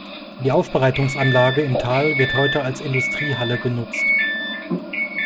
Die Aufbereitungsanlage im Tal wird heute als Industriehalle genutzt.